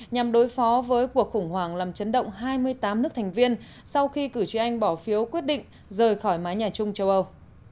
nhằm đối phó với cuộc khủng hoảng làm chấn động hai mươi tám nước thành viên sau khi cử tri anh bỏ phiếu quyết định rời khỏi mái nhà chung châu âu